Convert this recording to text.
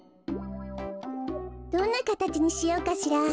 どんなかたちにしようかしら。